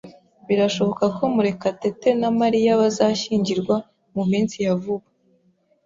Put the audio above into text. Birashoboka ko Murekatete na Mariya bazashyingirwa mu minsi ya vuba.